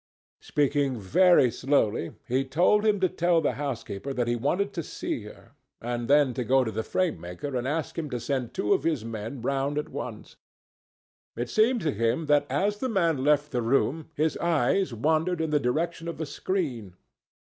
Speaking very slowly, he told him to tell the house keeper that he wanted to see her, and then to go to the frame maker and ask him to send two of his men round at once. It seemed to him that as the man left the room his eyes wandered in the direction of the screen.